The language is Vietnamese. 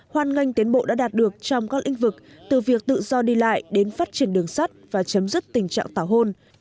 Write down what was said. hoan nghênh tiến bộ đã đạt được trong các lĩnh vực từ việc tự do đi lại đến phát triển đường sắt và chấm dứt tình trạng tảo hôn